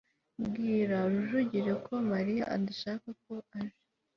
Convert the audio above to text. bwira rujugiro ko mariya adashaka ko aje